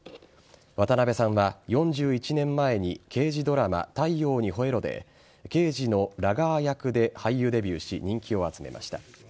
渡辺さんは４１年前に刑事ドラマ「太陽にほえろ！」で刑事のラガー役で俳優デビューし人気を集めました。